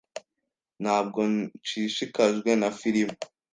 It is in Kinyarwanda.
Ntabwo nshishikajwe na firime.